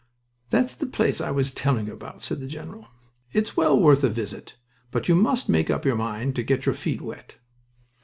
"That's the place I was telling you about," said the general. "It's well worth a visit... But you must make up your mind to get your feet wet."